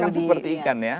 karena kami seperti ikan ya